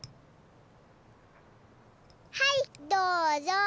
はいどうぞ！